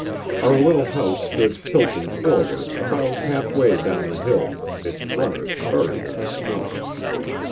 Our little house stood tilting forward about half way down the hill, its runners buried in the snow.